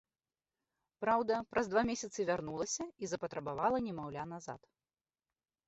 Праўда, праз два месяцы вярнулася і запатрабавала немаўля назад.